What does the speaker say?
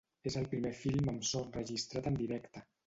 És el primer film amb so enregistrat en directe.